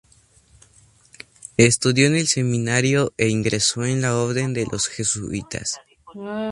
Estudió en el seminario e ingresó en la Orden de los Jesuitas.